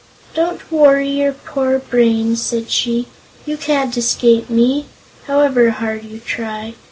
"Don't worry your poor brains," said she. "You can't escape me, however hard you try.